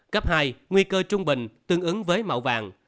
cấp hai nguy cơ trung bình tương ứng với màu vàng